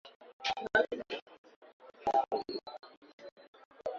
Hii ilisababisha vita vya pili vya Makaburu dhidi ya Uingereza.